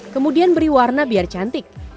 kemudian beri warna biar cantik